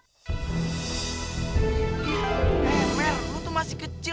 eh mer lu tuh masih kecil